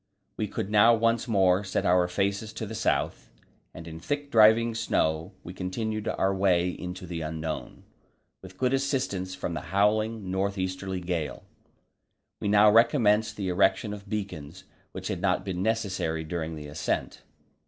We could now once more set our faces to the south, and in thick driving snow we continued our way into the unknown, with good assistance from the howling north easterly gale. We now recommenced the erection of beacons, which had not been necessary during the ascent.